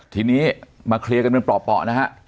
ทีนี้มาเคลียร์ปล่อนะฮะ